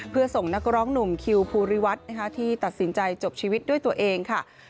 เพื่อส่งนักร้องหนุ่มคิวภูริวัฒน์ที่ตัดสินใจจบชีวิตด้วยตัวเองค่ะ